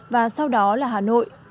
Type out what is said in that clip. và sau đó là hà nội